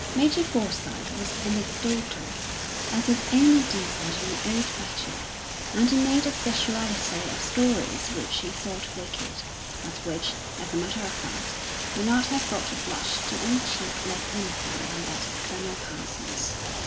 Major Forsyth was anecdotal, as is only decent in an old bachelor, and he made a speciality of stories which he thought wicked, but which, as a matter of fact, would not have brought a blush to any cheek less innocent than that of Colonel Parsons.